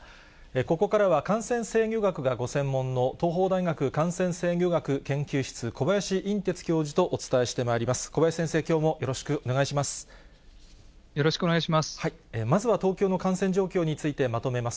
ここからは、感染制御学がご専門の、東邦大学感染制御学研究室、小林寅てつ教授とお伝えしてまいります。